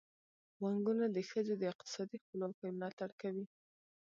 بانکونه د ښځو د اقتصادي خپلواکۍ ملاتړ کوي.